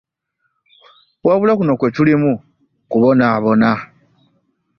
Wabula kuno kwetulimu kubonabona.